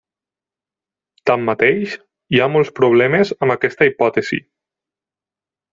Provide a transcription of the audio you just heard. Tanmateix, hi ha molts problemes amb aquesta hipòtesi.